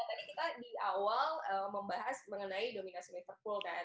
tadi kita di awal membahas mengenai dominasi liverpool kan